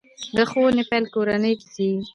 د ښوونې پیل کورنۍ کې کېږي.